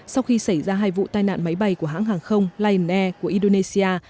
sau khi xảy ra hai vụ tai nạn máy bay của hãng hàng không lion air của indonesia